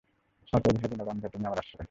অতএব হে দীনবন্ধো! তুমিই আমার আশ্রয়।